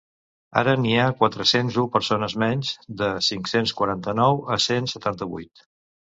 Ara n’hi ha quatre-cents u persones menys: de cinc-cents quaranta-nou a cent setanta-vuit.